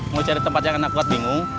mau cari tempatnya karena aku banget bingung